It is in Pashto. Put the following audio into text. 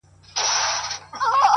• بې حیا یم ـ بې شرفه په وطن کي ـ